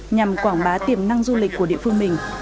nhằm quảng bá tiềm năng du lịch của địa phương mình